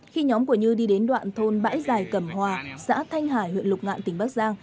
khi nhóm của như đi đến đoạn thôn bãi giải cẩm hòa xã thanh hải huyện lục ngạn tỉnh bắc giang